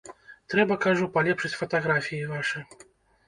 Трэба, кажу, палепшыць фатаграфіі вашы.